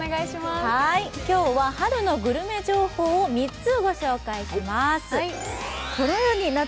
今日は春のグルメ情報を３つご紹介します。